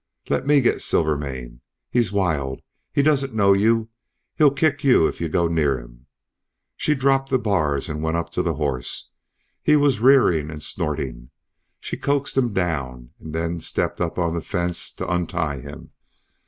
'Let me get Silvermane. He's wild; he doesn't know you; he'll kick you if you go near him.' She dropped the bars and went up to the horse. He was rearing and snorting. She coaxed him down and then stepped up on the fence to untie him.